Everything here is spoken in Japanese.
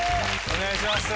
お願いします。